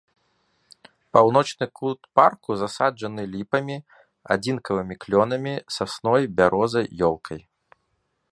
Паўночны кут парку засаджаны ліпамі, адзінкавымі клёнамі, сасной, бярозай, ёлкай.